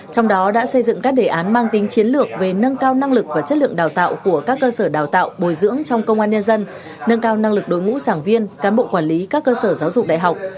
trong đó đã xây dựng các đề án mang tính chiến lược về nâng cao năng lực và chất lượng đào tạo của các cơ sở đào tạo bồi dưỡng trong công an nhân dân nâng cao năng lực đối ngũ giảng viên cán bộ quản lý các cơ sở giáo dục đại học